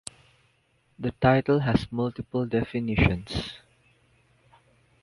The title has multiple definitions.